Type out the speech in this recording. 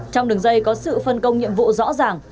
trong đường dây có sự phân công nhiệm vụ rõ ràng